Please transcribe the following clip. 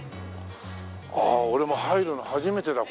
ああ俺も入るの初めてだ